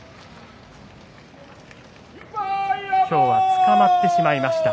今日はつかまってしまいました。